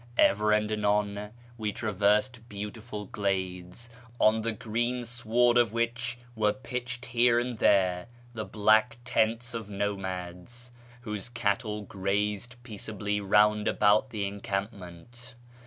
Ever and anon we traversed beautiful glades, on the green sward of which were pitched here and there the black tents of nomads, whose cattle grazed peaceably round about the encampment.